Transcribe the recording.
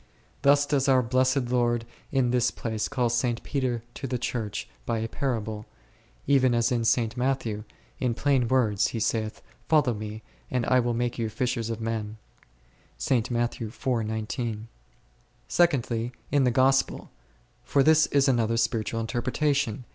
58 On i^olg Ftrgtmtg, Thus does our Blessed Lord in this place call St. Peter to the Church by a parable, even as in St. Matthew, in plain words, He saith, Follow Me, and I will make you fishers ofmen f . Secondly, in the Gospel; for this is another spiritual interpretation.